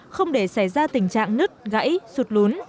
không để xảy ra tình trạng nứt gãy sụt lún